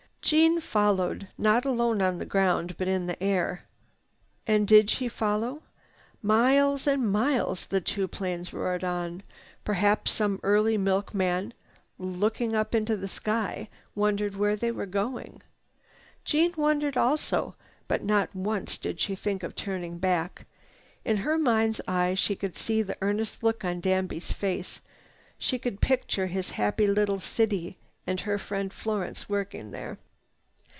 Jeanne followed, not alone on the ground, but in the air. And did she follow? Miles and miles the two planes roared on. Perhaps some early milkman, looking up at the sky, wondered where they were going. Jeanne wondered also, but not once did she think of turning back. In her mind's eye, she could see the earnest look on Danby's face. She could picture his happy little city and her friend Florence working there.